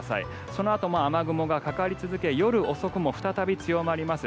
そのあとも雨雲がかかり続け夜遅くも再び降り続きます。